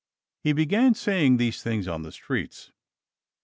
He began saying these things on the streets.